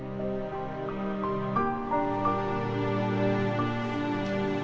aku yang bawa kamu kesini